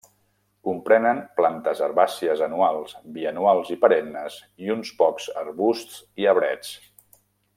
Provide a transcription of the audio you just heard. Comprenen plantes herbàcies anuals, bianuals i perennes i uns pocs arbusts i arbrets.